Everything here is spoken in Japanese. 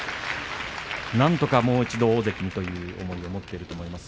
なんとかもう一度、大関にという思いを持っていると思います。